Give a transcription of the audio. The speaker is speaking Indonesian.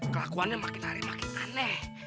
kelakuannya makin hari makin aneh